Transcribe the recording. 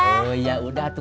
oh yaudah tuh